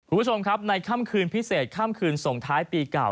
คุณผู้ชมครับในค่ำคืนพิเศษค่ำคืนส่งท้ายปีเก่า